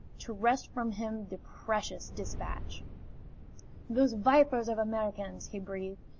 to wrest from him the precious despatch. "Those vipers of Americans!" he breathed.